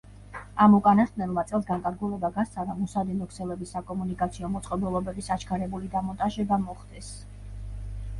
ამ უკანასკნელმა წელს განკარგულება გასცა, რომ უსადენო ქსელების საკომუნიკაციო მოწყობილობების აჩქარებული დამონტაჟება მოხდეს.